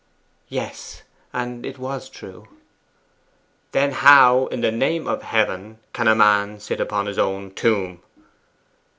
'Yes; and it was true.' 'Then how, in the name of Heaven, can a man sit upon his own tomb?